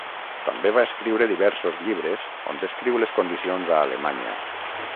També va escriure diversos llibres on descriu les condicions a Alemanya.